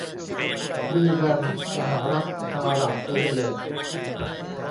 ดีแรห์มสหรัฐอาหรับเอมิเรตส์